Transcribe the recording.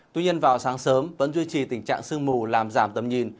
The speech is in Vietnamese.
tuy nhiên vào sáng sớm vẫn duy trì tình trạng sương mù làm giảm tầm nhìn